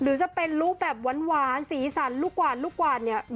หรือจะเป็นลุคแบบว้านสีสันลูกหวานเนี้ย